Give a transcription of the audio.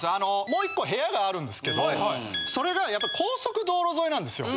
もう１個部屋があるんですけどそれが高速道路沿いなんですよ。